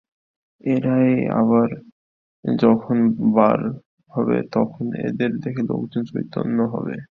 এরাই আবার যখন বার হবে, তখন এদের দেখে লোকের চৈতন্য হবে।